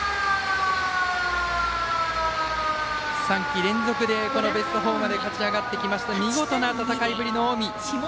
３季連続でベスト４まで勝ち上がってきた見事な戦いぶりの近江。